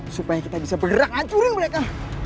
supaya kita bisa bergerak hancurin mereka